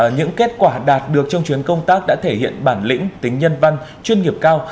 những kết quả đạt được trong chuyến công tác đã thể hiện bản lĩnh tính nhân văn chuyên nghiệp cao